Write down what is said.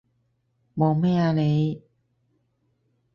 望咩啊你？